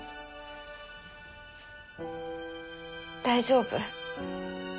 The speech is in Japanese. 大丈夫。